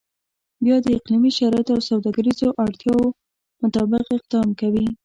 بیا د اقلیمي شرایطو او سوداګریزو اړتیاو مطابق اقدام کوي.